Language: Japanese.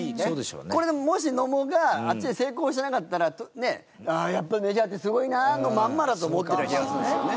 これでもし野茂があっちで成功しなかったら「ああやっぱメジャーってすごいな」のまんまだと思ってた気がするんですよね。